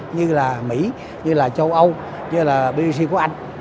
như là mỹ châu âu bbc của anh